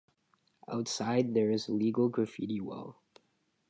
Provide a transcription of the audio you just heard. Outside, there is a legal graffiti wall.